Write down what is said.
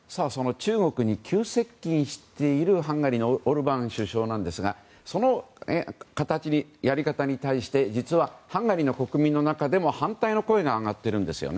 中国に急接近しているハンガリーのオルバーン首相ですがそのやり方に対して実はハンガリーの国民の中でも反対の声が上がっているんですね。